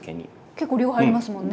結構量が入りますもんね。